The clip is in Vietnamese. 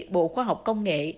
bộ khoa học công nghệ